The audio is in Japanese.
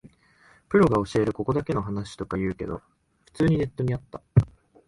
プロが教えるここだけの話とか言うけど、普通にネットにあった